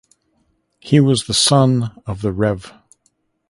He was the son of the Rev.